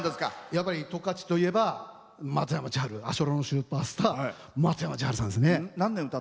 やっぱり十勝といえば松山千春さん、スーパースターの松山千春さんですね。